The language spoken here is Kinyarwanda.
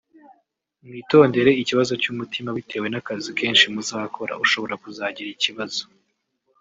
Mwitondere ikibazo cy’umutima Bitewe n’akazi kenshi muzakora ushobora kuzagira ikibazo